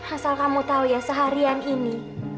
asal kamu tahu ya seharian ini